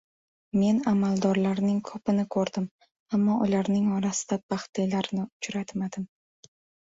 Men amaldorlarning ko‘pini ko‘rdim, ammo ularning orasida baxtlilarini uchratmadim.